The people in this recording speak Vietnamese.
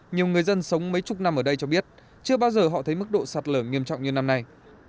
nhiều người dân sống mấy chục năm ở đây cho biết chưa bao giờ họ thấy mức độ sạt lở nghiêm trọng như năm nay